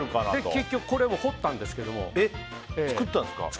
結局これも彫ったんですけど。